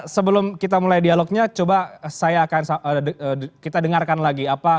sebelum kita mulai dialognya coba kita dengarkan lagi